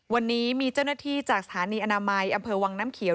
วันนี้มีเจ้าหน้าที่จากสถานีอนามัยอำเภอวังน้ำเขียว